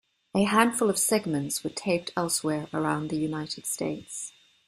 A handful of segments were taped elsewhere around The United States.